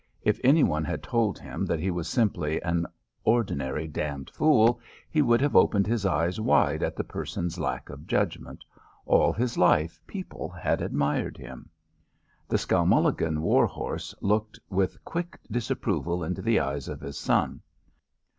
If any one had told him that he was simply an ordinary d d fool he would have opened his eyes wide at the person's lack of judgment. All his life people had admired him. The Skowmulligan war horse looked with quick disapproval into the eyes of his son.